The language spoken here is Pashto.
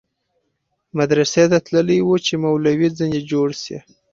مدرسې ته تللى و چې مولوى ځنې جوړ سي.